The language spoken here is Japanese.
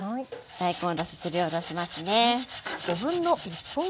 大根おろしすりおろしますね。